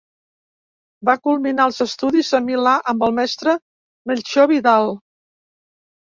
Va culminar els estudis a Milà amb el mestre Melcior Vidal.